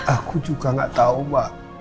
aku juga gak tau mak